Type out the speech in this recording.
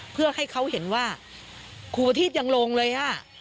เพื่อให้เขาเห็นว่าครูปฏีฟยังลงเลยฮะ